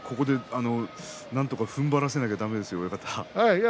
なんとかふんばらせないとだめですね親方。